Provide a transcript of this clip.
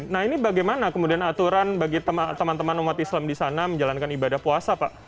nah ini bagaimana kemudian aturan bagi teman teman umat islam di sana menjalankan ibadah puasa pak